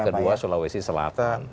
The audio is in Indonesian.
kedua sulawesi selatan